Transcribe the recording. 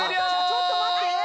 ちょっと待って！